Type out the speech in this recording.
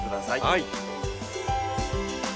はい。